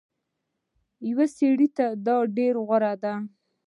يو سړي ته دا ډير غوره ده